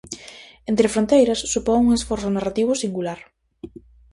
"Entre fronteiras" supón un esforzo narrativo singular.